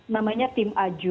namanya tim aju